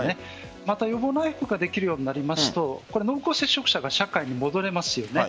また、予防内服ができるようになりますと濃厚接触者が社会に戻れますよね。